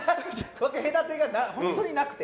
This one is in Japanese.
分け隔てがない本当になくて。